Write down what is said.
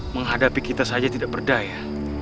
menghadapi kita saja tidak berdaya